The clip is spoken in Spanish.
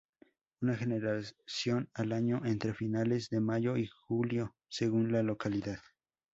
Una generación al año entre finales de mayo y julio según la localidad.